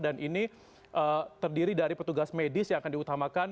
dan ini terdiri dari petugas medis yang akan diutamakan